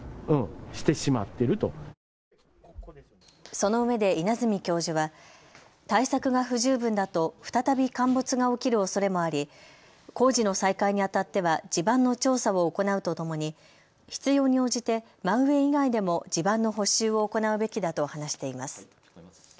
そのうえで稲積教授は対策が不十分だと再び陥没が起きるおそれもあり工事の再開にあたっては地盤の調査を行うとともに必要に応じて真上以外でも地盤の補修を行うべきだと話しています。